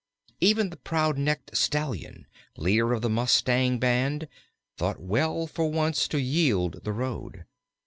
Even the proud necked Stallion, leader of the mustang band, thought well for once to yield the road.